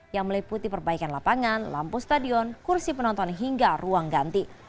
yang meliputi perbaikan lapangan lampu stadion kursi penonton hingga ruang ganti